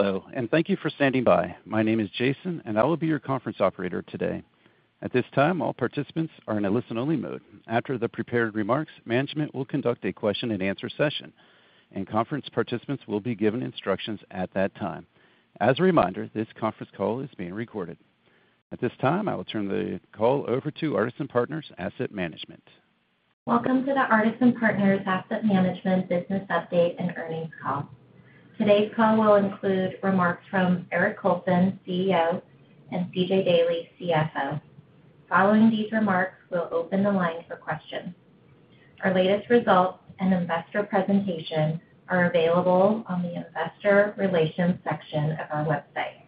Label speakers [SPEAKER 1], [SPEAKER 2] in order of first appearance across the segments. [SPEAKER 1] Hello, and thank you for standing by. My name is Jason, and I will be your conference operator today. At this time, all participants are in a listen-only mode. After the prepared remarks, management will conduct a question-and-answer session, and conference participants will be given instructions at that time. As a reminder, this conference call is being recorded. At this time, I will turn the call over to Artisan Partners Asset Management.
[SPEAKER 2] Welcome to the Artisan Partners Asset Management business update and earnings call. Today's call will include remarks from Eric Colson, CEO, and C.J. Daly, CFO. Following these remarks, we'll open the line for questions. Our latest results and investor presentation are available on the investor relations section of our website.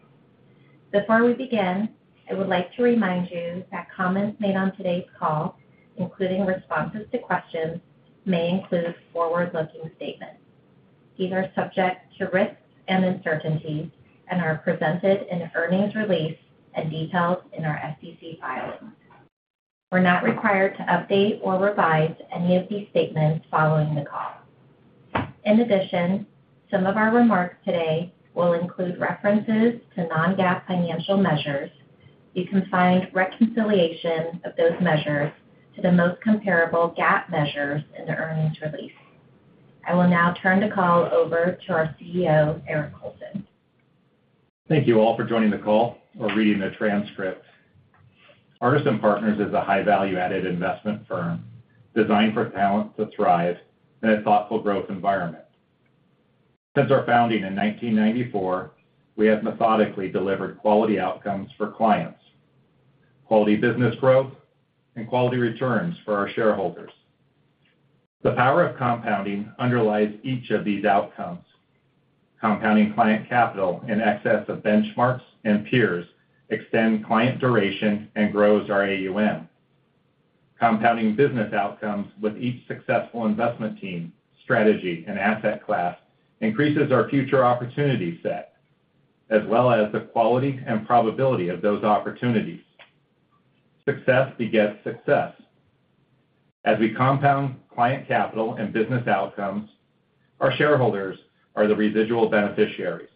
[SPEAKER 2] Before we begin, I would like to remind you that comments made on today's call, including responses to questions, may include forward-looking statements. These are subject to risks and uncertainties and are presented in the earnings release and detailed in our SEC filings. We're not required to update or revise any of these statements following the call. In addition, some of our remarks today will include references to non-GAAP financial measures. You can find reconciliation of those measures to the most comparable GAAP measures in the earnings release. I will now turn the call over to our CEO, Eric Colson.
[SPEAKER 3] Thank you all for joining the call or reading the transcript. Artisan Partners is a high value-added investment firm designed for talent to thrive in a thoughtful growth environment. Since our founding in 1994, we have methodically delivered quality outcomes for clients, quality business growth, and quality returns for our shareholders. The power of compounding underlies each of these outcomes. Compounding client capital in excess of benchmarks and peers extend client duration and grows our AUM. Compounding business outcomes with each successful investment team, strategy, and asset class increases our future opportunity set, as well as the quality and probability of those opportunities. Success begets success. As we compound client capital and business outcomes, our shareholders are the residual beneficiaries.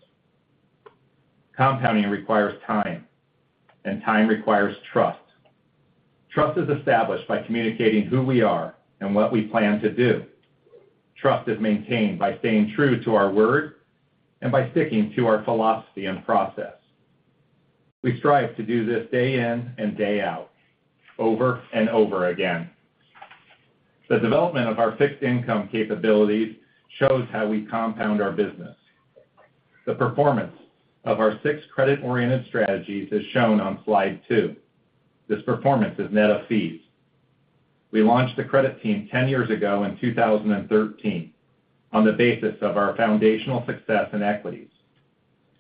[SPEAKER 3] Compounding requires time, and time requires trust. Trust is established by communicating who we are and what we plan to do. Trust is maintained by staying true to our word and by sticking to our philosophy and process. We strive to do this day in and day out, over and over again. The development of our fixed income capabilities shows how we compound our business. The performance of our six credit-oriented strategies is shown on slide two. This performance is net of fees. We launched the credit team 10 years ago in 2013 on the basis of our foundational success in equities.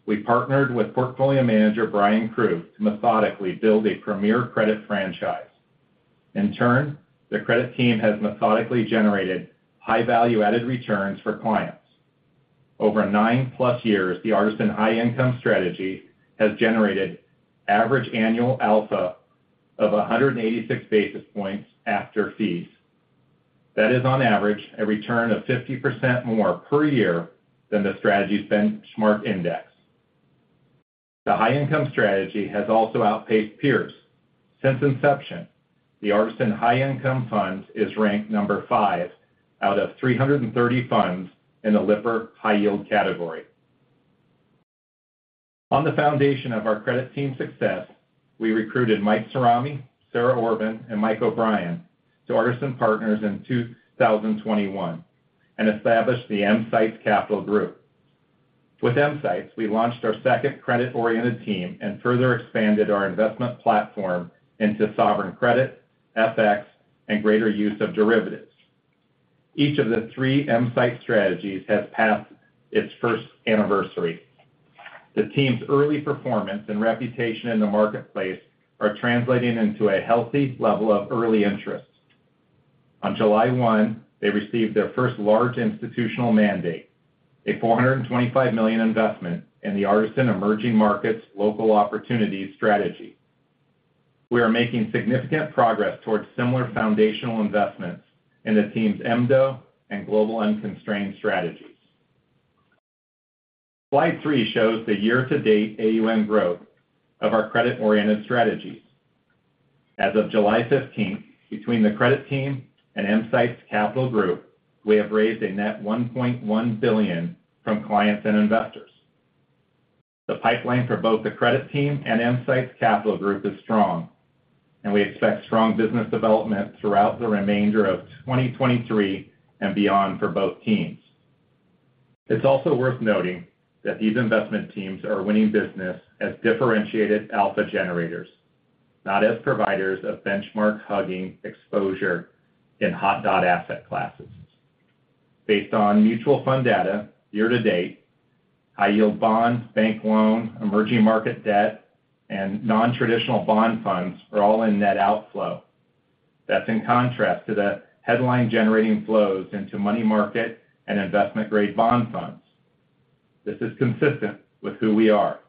[SPEAKER 3] We partnered with portfolio manager Bryan Krug to methodically build a premier credit franchise. In turn, the credit team has methodically generated high value-added returns for clients. Over 9+ years, the Artisan High Income Strategy has generated average annual alpha of 186 basis points after fees. That is, on average, a return of 50% more per year than the strategy's benchmark index. The Artisan High Income Strategy has also outpaced peers. Since inception, the Artisan High Income Fund is ranked number 5 out of 330 funds in the Lipper High Yield. On the foundation of our credit team's success, we recruited Mike Cerami, Sarah Orban, and Mike O'Brien to Artisan Partners in 2021 and established the EMsights Capital Group. With EMsights, we launched our second credit-oriented team and further expanded our investment platform into sovereign credit, FX, and greater use of derivatives. Each of the 3 EMsights strategies has passed its first anniversary. The team's early performance and reputation in the marketplace are translating into a healthy level of early interest. On July 1, they received their first large institutional mandate, a $425 million investment in the Artisan Emerging Markets Local Opportunities Strategy. We are making significant progress towards similar foundational investments in the team's EMDO and Global Unconstrained Strategies. Slide three shows the year-to-date AUM growth of our credit-oriented strategies. As of July 15th, between the credit team and EMsights Capital Group, we have raised a net $1.1 billion from clients and investors. The pipeline for both the credit team and EMsights Capital Group is strong, and we expect strong business development throughout the remainder of 2023 and beyond for both teams. It's also worth noting that these investment teams are winning business as differentiated alpha generators, not as providers of benchmark-hugging exposure in hot dot asset classes. Based on mutual fund data, year-to-date, high-yield bonds, bank loans, emerging market debt, and non-traditional bond funds are all in net outflow. That's in contrast to the headline-generating flows into money market and investment-grade bond funds. This is consistent with who we are.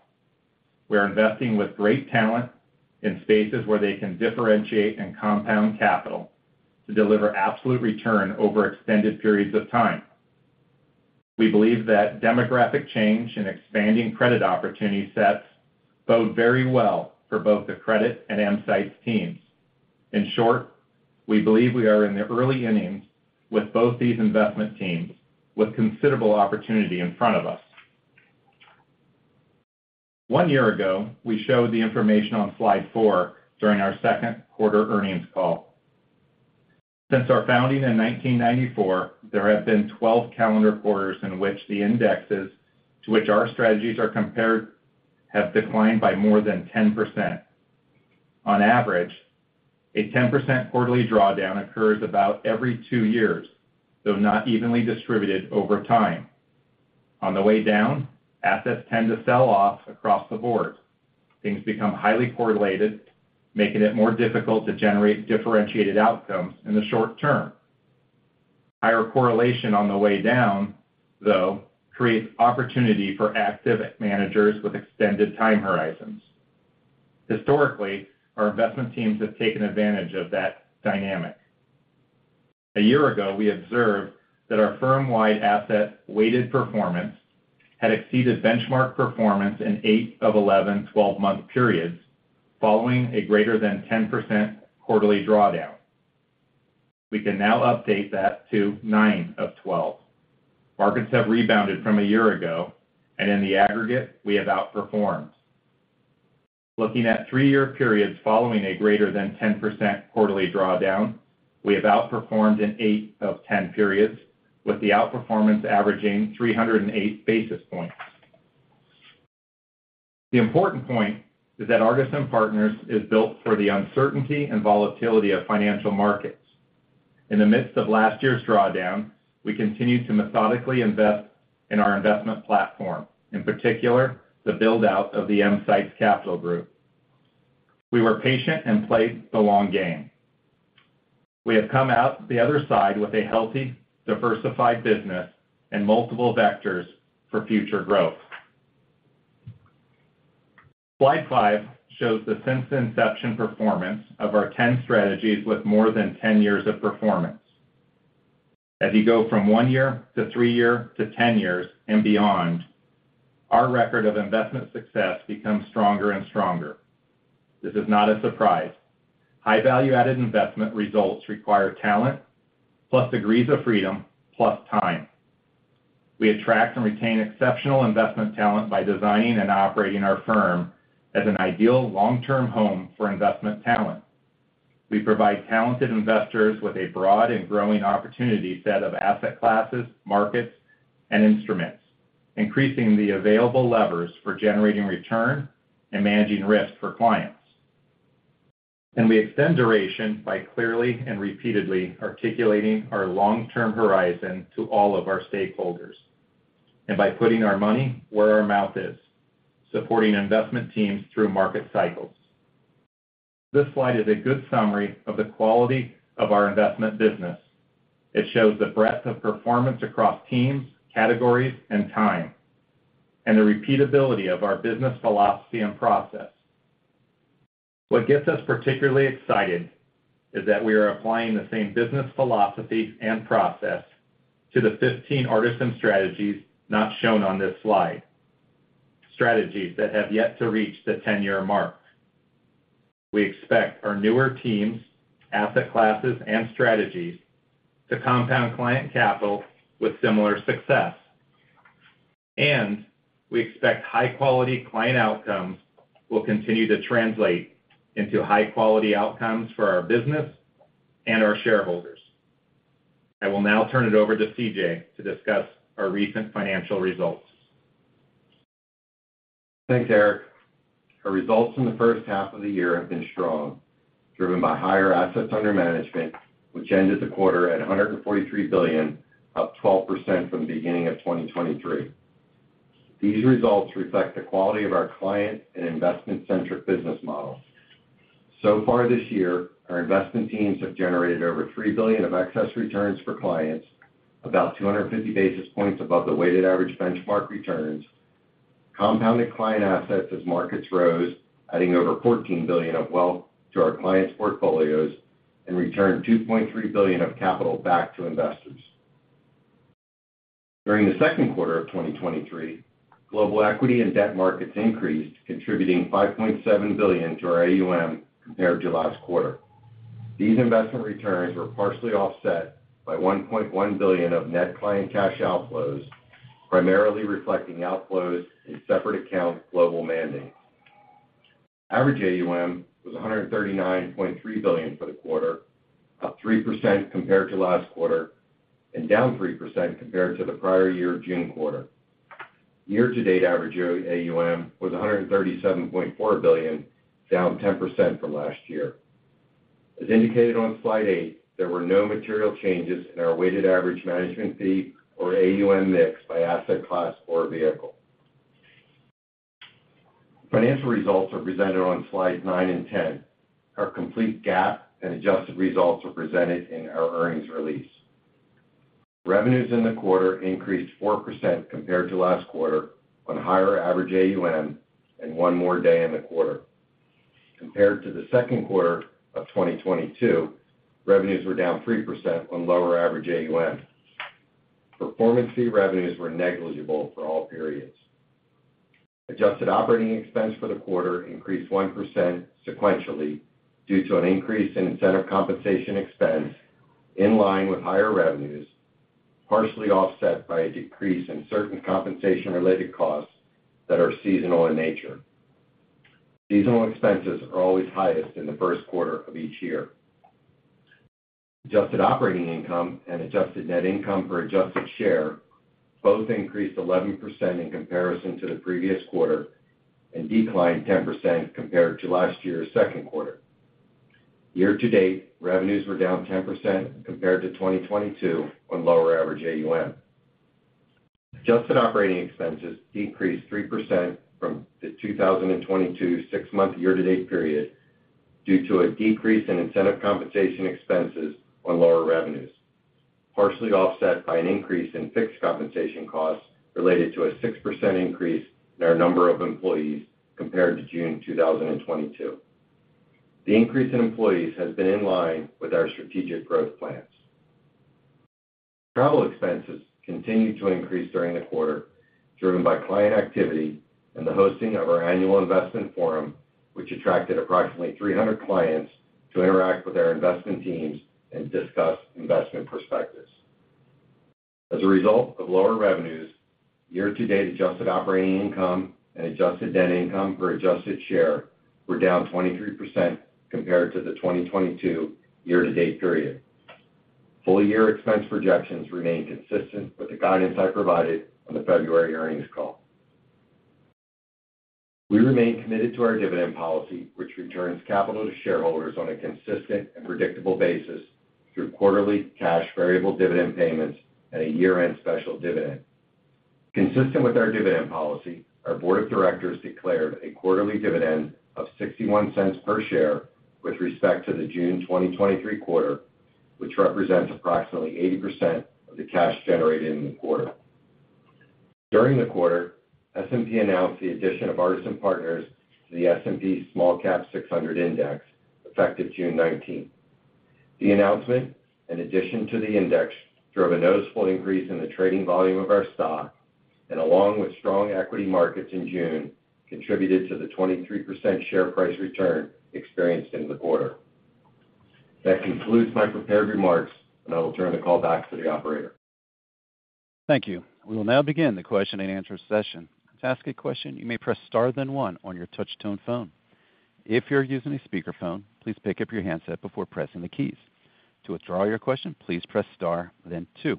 [SPEAKER 3] We are investing with great talent in spaces where they can differentiate and compound capital to deliver absolute return over extended periods of time. We believe that demographic change and expanding credit opportunity sets bode very well for both the credit and EMsights teams. In short, we believe we are in the early innings with both these investment teams, with considerable opportunity in front of us. 1 year ago, we showed the information on slide 4 during our 2Q earnings call. Since our founding in 1994, there have been 12 calendar quarters in which the indexes to which our strategies are compared have declined by more than 10%. On average, a 10% quarterly drawdown occurs about every 2 years, though not evenly distributed over time. On the way down, assets tend to sell off across the board. Things become highly correlated, making it more difficult to generate differentiated outcomes in the short term. Higher correlation on the way down, though, creates opportunity for active managers with extended time horizons. Historically, our investment teams have taken advantage of that dynamic. A year ago, we observed that our firm-wide asset weighted performance had exceeded benchmark performance in 8 of 11 twelve-month periods, following a greater than 10% quarterly drawdown. We can now update that to 9 of 12. Markets have rebounded from a year ago, and in the aggregate, we have outperformed. Looking at three-year periods following a greater than 10% quarterly drawdown, we have outperformed in 8 of 10 periods, with the outperformance averaging 308 basis points. The important point is that Artisan Partners is built for the uncertainty and volatility of financial markets. In the midst of last year's drawdown, we continued to methodically invest in our investment platform, in particular, the build-out of the EMsights Capital Group. We were patient and played the long game. We have come out the other side with a healthy, diversified business and multiple vectors for future growth. Slide five shows the since inception performance of our 10 strategies with more than 10 years of performance. As you go from one year to three year to 10 years and beyond, our record of investment success becomes stronger and stronger. This is not a surprise. High value-added investment results require talent, plus degrees of freedom, plus time. We attract and retain exceptional investment talent by designing and operating our firm as an ideal long-term home for investment talent. We provide talented investors with a broad and growing opportunity set of asset classes, markets, and instruments, increasing the available levers for generating return and managing risk for clients. We extend duration by clearly and repeatedly articulating our long-term horizon to all of our stakeholders, and by putting our money where our mouth is, supporting investment teams through market cycles. This slide is a good summary of the quality of our investment business. It shows the breadth of performance across teams, categories, and time, and the repeatability of our business philosophy and process. What gets us particularly excited is that we are applying the same business philosophy and process to the 15 Artisan strategies not shown on this slide, strategies that have yet to reach the 10-year mark. We expect our newer teams, asset classes, and strategies to compound client capital with similar success. We expect high-quality client outcomes will continue to translate into high-quality outcomes for our business and our shareholders. I will now turn it over to C.J. to discuss our recent financial results.
[SPEAKER 4] Thanks, Eric. Our results in the first half of the year have been strong, driven by higher assets under management, which ended the quarter at $143 billion, up 12% from the beginning of 2023. These results reflect the quality of our client and investment-centric business model. Far this year, our investment teams have generated over $3 billion of excess returns for clients, about 250 basis points above the weighted average benchmark returns, compounded client assets as markets rose, adding over $14 billion of wealth to our clients' portfolios and returned $2.3 billion of capital back to investors. During the second quarter of 2023, global equity and debt markets increased, contributing $5.7 billion to our AUM compared to last quarter. These investment returns were partially offset by $1.1 billion of net client cash outflows, primarily reflecting outflows in separate account global mandates. Average AUM was $139.3 billion for the quarter, up 3% compared to last quarter and down 3% compared to the prior year June quarter. Year-to-date average AUM was $137.4 billion, down 10% from last year. As indicated on Slide 8, there were no material changes in our weighted average management fee or AUM mix by asset class or vehicle. Financial results are presented on Slides 9 and 10. Our complete GAAP and adjusted results are presented in our earnings release. Revenues in the quarter increased 4% compared to last quarter on higher average AUM and one more day in the quarter. Compared to the second quarter of 2022, revenues were down 3% on lower average AUM. Performance fee revenues were negligible for all periods. Adjusted operating expense for the quarter increased 1% sequentially due to an increase in incentive compensation expense in line with higher revenues, partially offset by a decrease in certain compensation-related costs that are seasonal in nature. Seasonal expenses are always highest in the first quarter of each year. Adjusted operating income and adjusted net income per adjusted share both increased 11% in comparison to the previous quarter and declined 10% compared to last year's second quarter. Year-to-date, revenues were down 10% compared to 2022 on lower average AUM. Adjusted operating expenses decreased 3% from the 2022 6-month year-to-date period due to a decrease in incentive compensation expenses on lower revenues, partially offset by an increase in fixed compensation costs related to a 6% increase in our number of employees compared to June 2022. The increase in employees has been in line with our strategic growth plans. Travel expenses continued to increase during the quarter, driven by client activity and the hosting of our annual investment forum, which attracted approximately 300 clients to interact with our investment teams and discuss investment perspectives. As a result of lower revenues, year-to-date adjusted operating income and adjusted net income per adjusted share were down 23% compared to the 2022 year-to-date period. Full-year expense projections remain consistent with the guidance I provided on the February earnings call. We remain committed to our dividend policy, which returns capital to shareholders on a consistent and predictable basis through quarterly cash variable dividend payments and a year-end special dividend. Consistent with our dividend policy, our board of directors declared a quarterly dividend of $0.61 per share with respect to the June 2023 quarter, which represents approximately 80% of the cash generated in the quarter. During the quarter, S&P announced the addition of Artisan Partners to the S&P SmallCap 600 Index, effective June 19th. The announcement, in addition to the index, drove a noticeable increase in the trading volume of our stock, and along with strong equity markets in June, contributed to the 23% share price return experienced in the quarter. That concludes my prepared remarks, and I will turn the call back to the operator.
[SPEAKER 1] Thank you. We will now begin the question-and-answer session. To ask a question, you may press star, then one on your touch-tone phone. If you're using a speakerphone, please pick up your handset before pressing the keys. To withdraw your question, please press star, then two.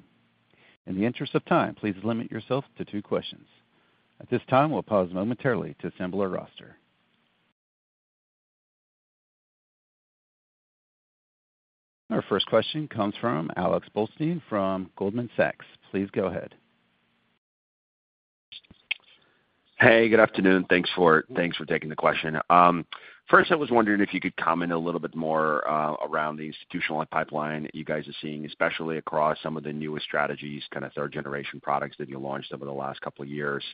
[SPEAKER 1] In the interest of time, please limit yourself to two questions. At this time, we'll pause momentarily to assemble our roster. Our first question comes from Alexander Blostein from Goldman Sachs. Please go ahead.
[SPEAKER 5] Hey, good afternoon. Thanks for, thanks for taking the question. First, I was wondering if you could comment a little bit more around the institutional pipeline that you guys are seeing, especially across some of the newer strategies, kind of third-generation products that you launched over the last couple of years.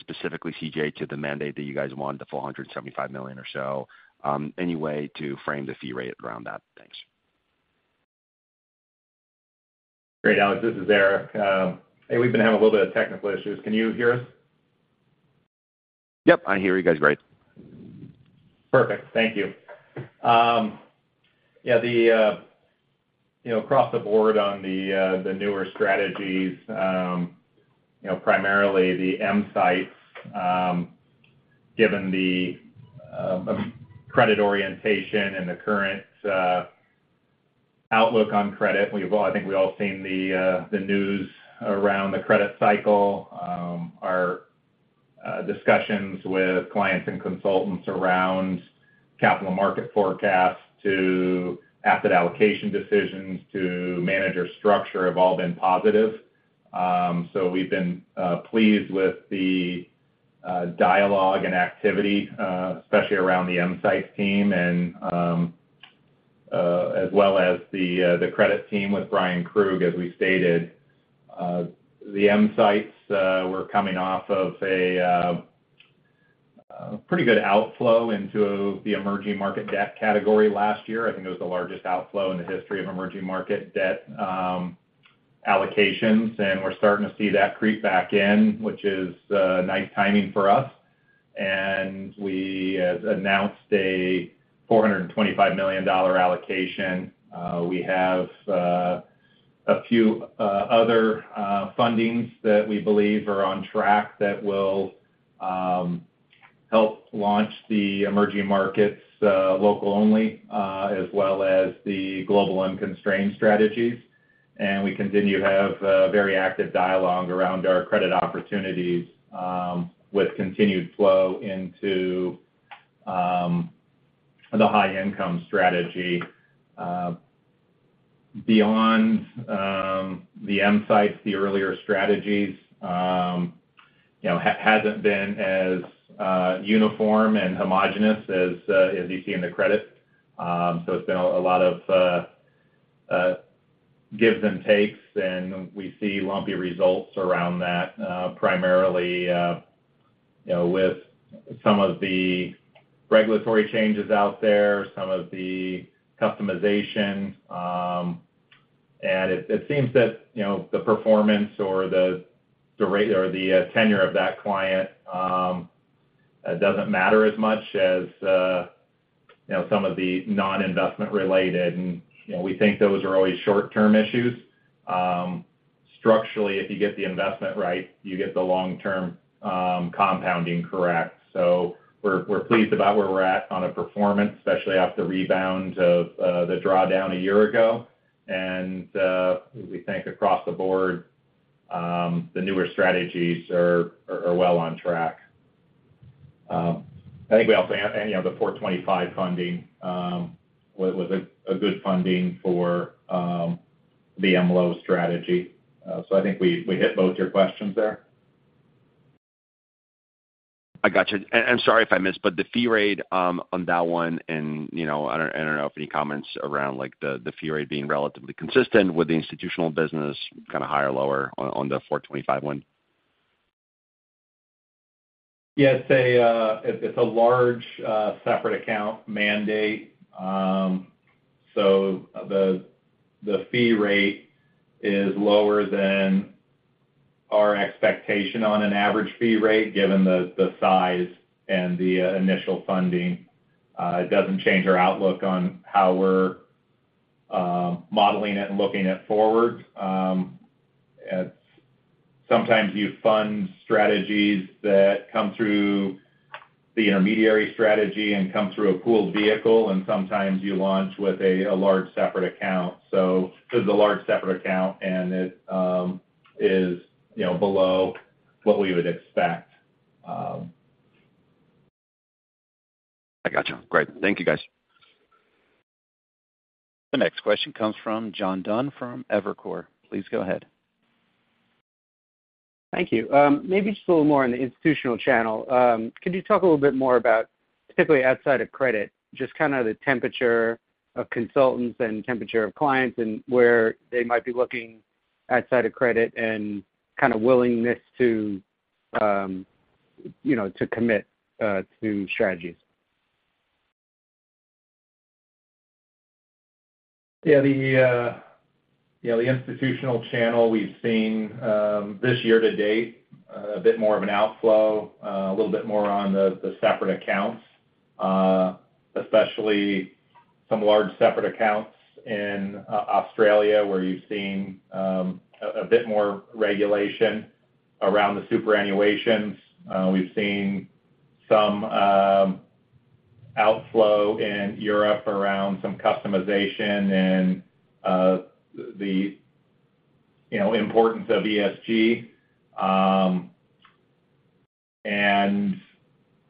[SPEAKER 5] Specifically, C.J., to the mandate that you guys won, the $475 million or so, any way to frame the fee rate around that? Thanks.
[SPEAKER 3] Great, Alex. This is Eric. Hey, we've been having a little bit of technical issues. Can you hear us?
[SPEAKER 5] Yep, I can hear you guys great.
[SPEAKER 3] Perfect. Thank you. Yeah, the, you know, across the board on the newer strategies, you know, primarily the MSCI, given the credit orientation and the current outlook on credit, I think we've all seen the news around the credit cycle. Our discussions with clients and consultants around capital market forecasts to asset allocation decisions, to manager structure have all been positive. We've been pleased with the dialogue and activity, especially around the MSCI team and as well as the credit team with Bryan Krug, as we stated. The MSCI were coming off of a pretty good outflow into the emerging market debt category last year. I think it was the largest outflow in the history of Emerging Markets Debt allocations. We're starting to see that creep back in, which is nice timing for us. We has announced a $425 million allocation. We have a few other fundings that we believe are on track that will help launch the Emerging Markets local only as well as the Global Unconstrained Strategies. We continue to have a very active dialogue around our Credit Opportunities, with continued flow into the High Income Strategy. Beyond the MSCI, the earlier strategies, you know, hasn't been as uniform and homogenous as you see in the credit. It's been a lot of gives and takes, and we see lumpy results around that, primarily, you know, with some of the regulatory changes out there, some of the customization. It seems that, you know, the performance or the rate or the tenure of that client doesn't matter as much as, you know, some of the non-investment related. You know, we think those are always short-term issues. Structurally, if you get the investment right, you get the long-term compounding correct. We're pleased about where we're at on a performance, especially off the rebound of the drawdown a year ago. We think across the board, the newer strategies are well on track. I think we also-- you know, the 425 funding was a good funding for the MLO strategy. I think we, we hit both your questions there.
[SPEAKER 5] I got you. Sorry if I missed, but the fee rate, on that one, and, you know, I don't, I don't know if any comments around, like, the, the fee rate being relatively consistent with the institutional business, kind of higher or lower on, on the 4251 one?
[SPEAKER 3] Yeah, it's a, it's a large, separate account mandate. The, the fee rate is lower than our expectation on an average fee rate, given the, the size and the initial funding. It doesn't change our outlook on how we're modeling it and looking it forward. Sometimes you fund strategies that come through the intermediary strategy and come through a pooled vehicle, and sometimes you launch with a, a large separate account. This is a large separate account, and it is, you know, below what we would expect.
[SPEAKER 5] I got you. Great. Thank you, guys.
[SPEAKER 1] The next question comes from John Dunn from Evercore. Please go ahead.
[SPEAKER 6] Thank you. Maybe just a little more on the institutional channel. Could you talk a little bit more about, typically outside of credit, just kind of the temperature of consultants and temperature of clients, and where they might be looking outside of credit, and kind of willingness to, you know, to commit to strategies?
[SPEAKER 3] Yeah, the, you know, the institutional channel, we've seen this year to date, a bit more of an outflow, a little bit more on the, the separate accounts, especially some large separate accounts in Australia, where you've seen a bit more regulation around the superannuations. We've seen some outflow in Europe around some customization and the, you know, importance of ESG.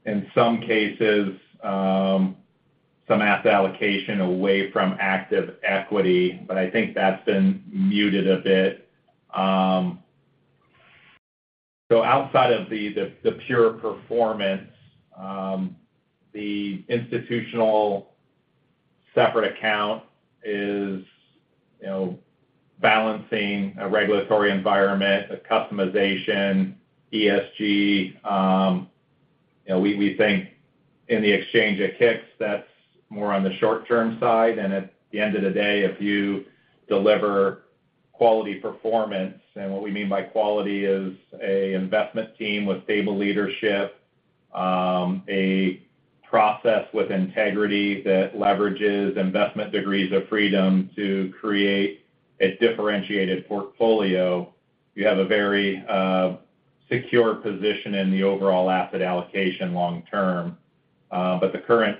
[SPEAKER 3] In some cases, some asset allocation away from active equity, but I think that's been muted a bit. Outside of the, the, the pure performance, the institutional separate account is, you know, balancing a regulatory environment, a customization, ESG. You know, we, we think in the exchange at Kynex, that's more on the short-term side. At the end of the day, if you deliver quality performance, and what we mean by quality is a investment team with stable leadership, a process with integrity that leverages investment degrees of freedom to create a differentiated portfolio, you have a very secure position in the overall asset allocation long term. The current,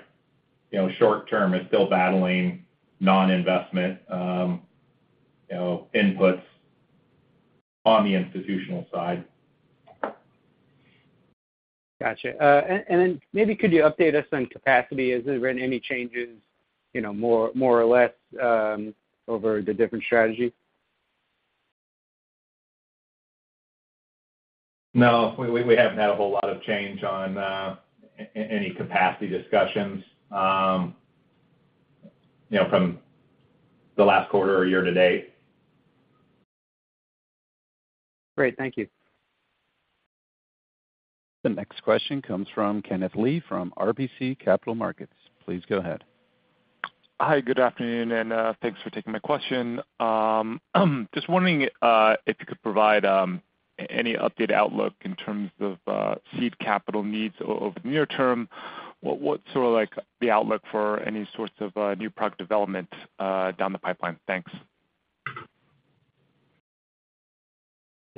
[SPEAKER 3] you know, short term is still battling non-investment, you know, inputs on the institutional side.
[SPEAKER 6] Gotcha. Then maybe could you update us on capacity? Has there been any changes, you know, more, more or less, over the different strategies?
[SPEAKER 3] No, we, we, we haven't had a whole lot of change on any capacity discussions, you know, from the last quarter or year to date.
[SPEAKER 6] Great. Thank you.
[SPEAKER 1] The next question comes from Kenneth Lee from RBC Capital Markets. Please go ahead.
[SPEAKER 7] Hi, good afternoon, and thanks for taking my question. Just wondering if you could provide any updated outlook in terms of seed capital needs over the near term. What, what's sort of like the outlook for any sorts of new product development down the pipeline?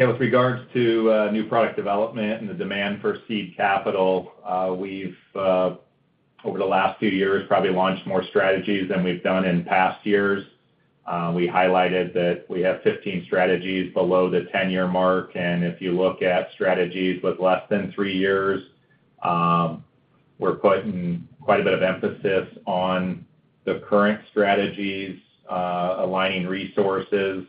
[SPEAKER 7] Thanks.
[SPEAKER 3] Yeah, with regards to new product development and the demand for seed capital, we've over the last few years, probably launched more strategies than we've done in past years. We highlighted that we have 15 strategies below the 10-year mark, and if you look at strategies with less than 3 years. We're putting quite a bit of emphasis on the current strategies, aligning resources.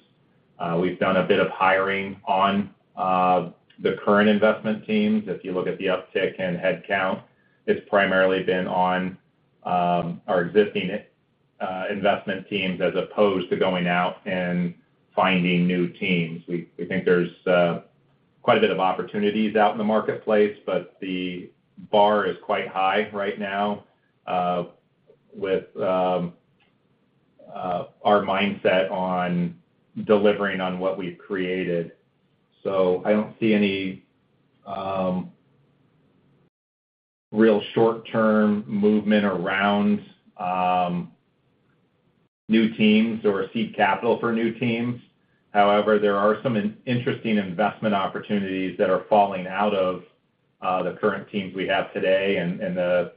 [SPEAKER 3] We've done a bit of hiring on the current investment teams. If you look at the uptick in headcount, it's primarily been on our existing investment teams as opposed to going out and finding new teams. We, we think there's quite a bit of opportunities out in the marketplace, but the bar is quite high right now, with our mindset on delivering on what we've created. I don't see any real short-term movement around new teams or seed capital for new teams. However, there are some in- interesting investment opportunities that are falling out of the current teams we have today and, and the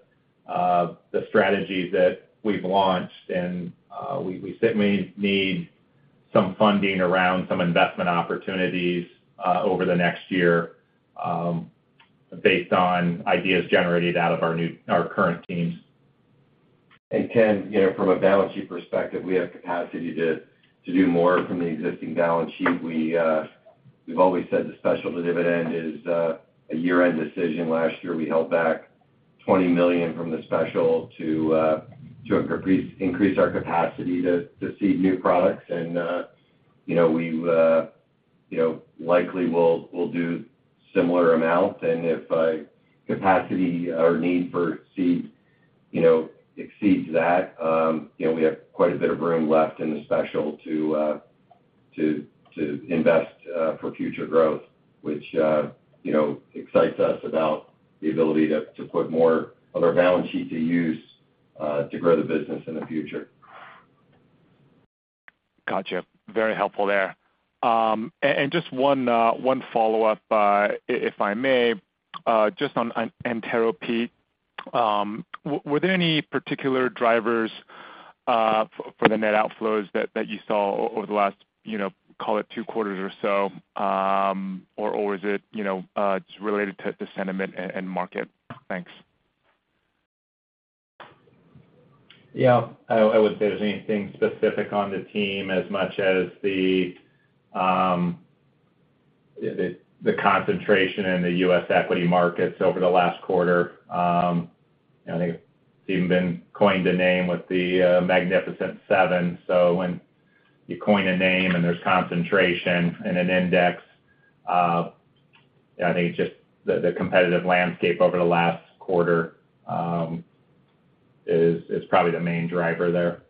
[SPEAKER 3] strategies that we've launched. We, we certainly need some funding around some investment opportunities over the next year, based on ideas generated out of our new-- our current teams.
[SPEAKER 4] Ken, you know, from a balance sheet perspective, we have capacity to, to do more from the existing balance sheet. We've always said the special to dividend is a year-end decision. Last year, we held back $20 million from the special to increase, increase our capacity to, to seed new products. You know, we, you know, likely will, will do similar amounts. If capacity or need for seed, you know, exceeds that, you know, we have quite a bit of room left in the special to, to invest for future growth, which, you know, excites us about the ability to, to put more of our balance sheet to use, to grow the business in the future.
[SPEAKER 7] Gotcha. Very helpful there. Just one, one follow-up, if I may, just on Antero Peak. Were there any particular drivers for the net outflows that you saw over the last, you know, call it 2 quarters or so? Is it, you know, just related to the sentiment and market? Thanks.
[SPEAKER 3] Yeah, I, I wouldn't say there's anything specific on the team as much as the, the concentration in the U.S. equity markets over the last quarter. You know, they've even been coined a name with the Magnificent Seven. When you coin a name and there's concentration in an index, I think just the, the competitive landscape over the last quarter, is, is probably the main driver there.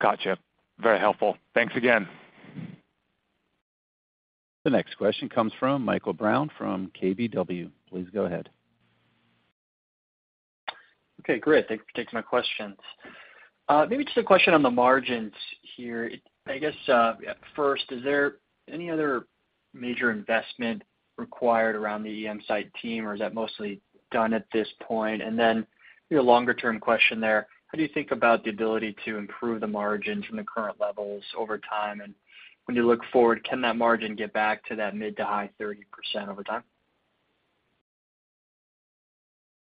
[SPEAKER 7] Gotcha. Very helpful. Thanks again.
[SPEAKER 1] The next question comes from Michael Brown, from KBW. Please go ahead.
[SPEAKER 8] Okay, great. Thank you for taking my questions. Maybe just a question on the margins here. I guess, first, is there any other major investment required around the EMsights team, or is that mostly done at this point? Then, you know, longer-term question there, how do you think about the ability to improve the margin from the current levels over time? When you look forward, can that margin get back to that mid to high 30% over time?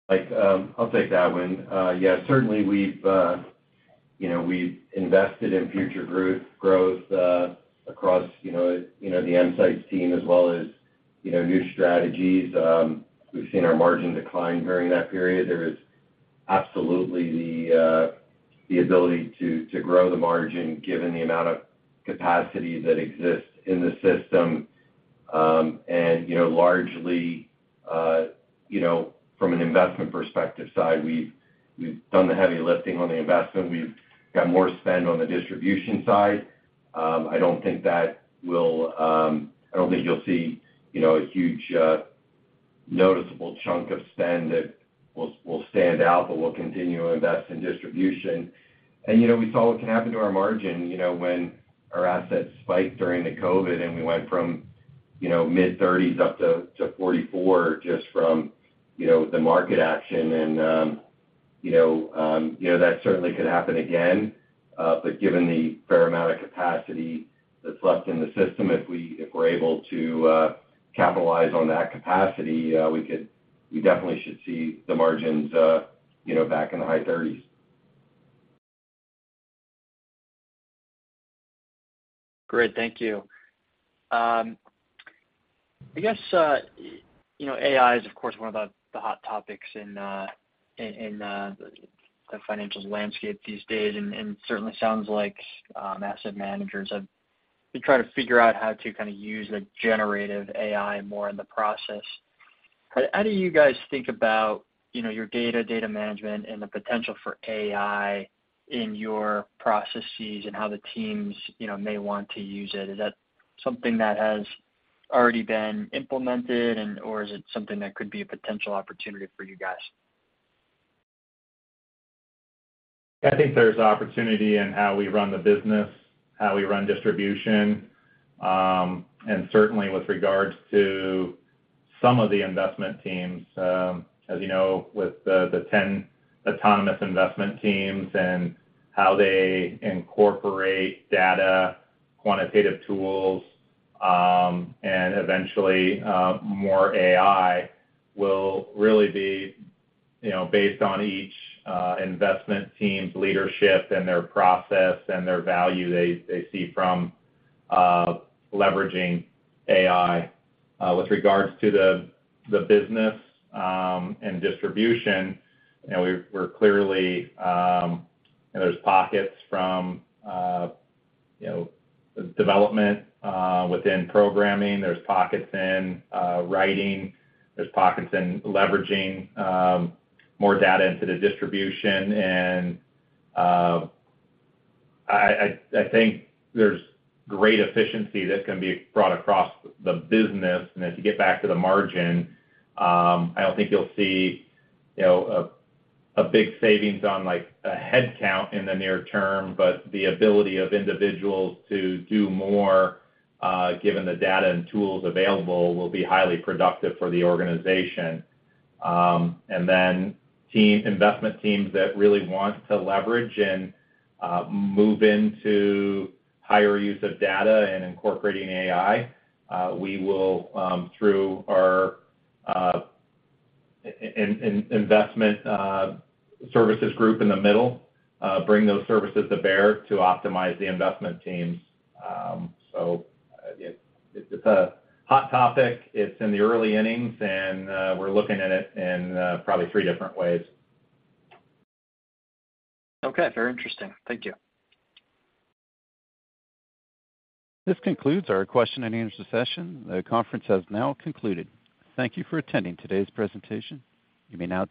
[SPEAKER 4] Mike, I'll take that one. Yeah, certainly we've, you know, we've invested in future growth, growth, across, you know, you know, the insights team as well as, you know, new strategies. We've seen our margin decline during that period. There is absolutely the ability to, to grow the margin, given the amount of capacity that exists in the system. And, you know, largely, you know, from an investment perspective side, we've, we've done the heavy lifting on the investment. We've got more spend on the distribution side. I don't think that will... I don't think you'll see, you know, a huge, noticeable chunk of spend that will, will stand out, but we'll continue to invest in distribution. You know, we saw what can happen to our margin, you know, when our assets spiked during the COVID, and we went from, you know, mid 30s up to 44, just from, you know, the market action. You know, that certainly could happen again. Given the fair amount of capacity that's left in the system, if we're able to capitalize on that capacity, we definitely should see the margins, you know, back in the high 30s.
[SPEAKER 8] Great, thank you. I guess, you know, AI is, of course, one of the, the hot topics in the financials landscape these days, and certainly sounds like, asset managers have been trying to figure out how to kind of use the generative AI more in the process. How, how do you guys think about, you know, your data, data management, and the potential for AI in your processes and how the teams, you know, may want to use it? Is that something that has already been implemented, or is it something that could be a potential opportunity for you guys?
[SPEAKER 3] I think there's opportunity in how we run the business, how we run distribution, and certainly with regards to some of the investment teams. As you know, with the, the 10 autonomous investment teams and how they incorporate data, quantitative tools, and eventually more AI will really be, you know, based on each investment team's leadership and their process and their value they, they see from leveraging AI. With rega to the, the business, and distribution, you know, we're, we're clearly, you know, there's pockets from, you know, development within programming, there's pockets in writing, there's pockets in leveraging more data into the distribution. I, I, I think there's great efficiency that can be brought across the business. As you get back to the margin, I don't think you'll see, you know, a, a big savings on, like, a headcount in the near term, but the ability of individuals to do more, given the data and tools available, will be highly productive for the organization. Then investment teams that really want to leverage and move into higher use of data and incorporating AI, we will, through our investment services group in the middle, bring those services to bear to optimize the investment teams. It's, it's a hot topic. It's in the early innings, and we're looking at it in probably three different ways.
[SPEAKER 1] Okay, very interesting. Thank you. This concludes our question-and-answer session. The conference has now concluded. Thank you for attending today's presentation. You may now disconnect.